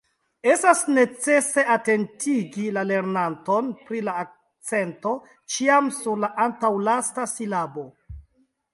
Estas necese atentigi la lernanton pri la akcento ĉiam sur la antaŭlasta silabo.